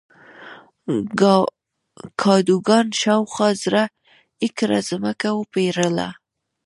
کادوګان شاوخوا زر ایکره ځمکه وپېرله.